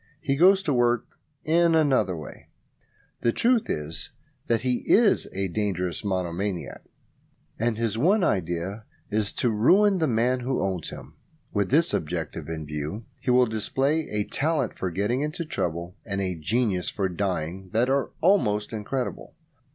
He goes to work in another way. The truth is that he is a dangerous monomaniac, and his one idea is to ruin the man who owns him. With this object in view he will display a talent for getting into trouble and a genius for dying that are almost incredible.